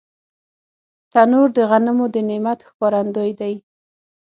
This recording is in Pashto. تنور د غنمو د نعمت ښکارندوی دی